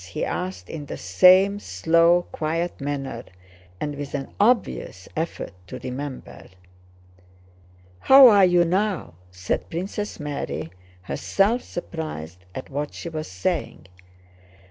he asked in the same slow, quiet manner and with an obvious effort to remember. "How are you now?" said Princess Mary, herself surprised at what she was saying.